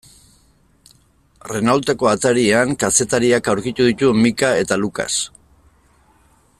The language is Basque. Renaulteko atarian kazetariak aurkitu ditu Micka eta Lucas.